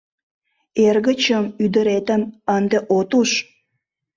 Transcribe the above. Эргычым, ӱдыретым ынде от уж!